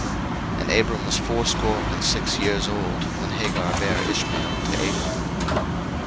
01:016:016 And Abram was fourscore and six years old, when Hagar bare Ishmael to Abram.